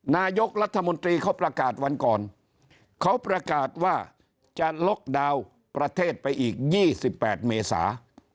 นายกรัฐมนตรีเขาประกาศวันก่อนเขาประกาศว่าจะล็อกดาวน์ประเทศไปอีก๒๘เมษา